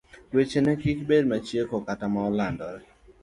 wecheneni kik bed machieko kata ma olandore.